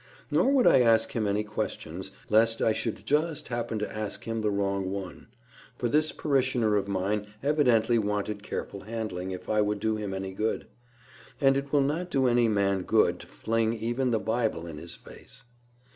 Nor would I ask him any questions, lest I should just happen to ask him the wrong one; for this parishioner of mine evidently wanted careful handling, if I would do him any good. And it will not do any man good to fling even the Bible in his face.